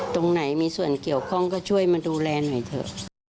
ตรงไหนมีส่วนเกี่ยวข้องก็ช่วยมาดูแลหน่อยเถอะ